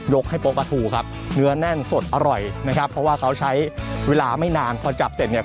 กให้โป๊ปลาทูครับเนื้อแน่นสดอร่อยนะครับเพราะว่าเขาใช้เวลาไม่นานพอจับเสร็จเนี่ย